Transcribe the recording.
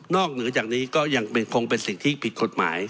นอกเหนือจากนี้ก็คงเป็นปิดกฎหมาย